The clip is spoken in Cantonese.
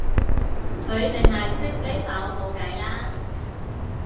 佢淨係識呢首冇計啦